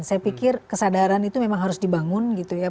saya pikir kesadaran itu memang harus dibangun gitu ya